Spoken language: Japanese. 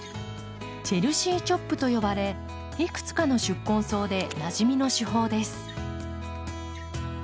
「チェルシー・チョップ」と呼ばれいくつかの宿根草でなじみの手法です。